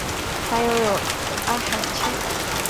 它拥有阿海珐。